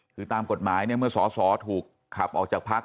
คือตามกฎหมายเนี่ยเมื่อสอสอถูกขับออกจากพัก